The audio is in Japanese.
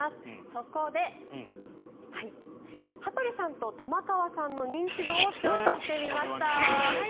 そこで羽鳥さんと玉川さんの認知度を調査してみました。